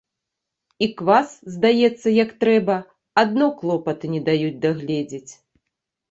І квас, здаецца, як трэба, адно клопаты не даюць дагледзець.